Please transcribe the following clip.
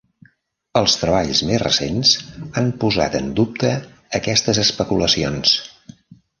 Els treballs més recents han posat en dubte aquestes especulacions.